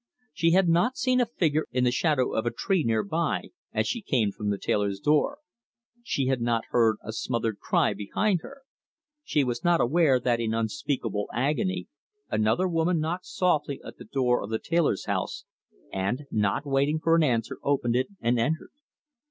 She had not seen a figure in the shadow of a tree near by as she came from the tailor's door. She had not heard a smothered cry behind her. She was not aware that in unspeakable agony another woman knocked softly at the door of the tailor's house, and, not waiting for an answer, opened it and entered.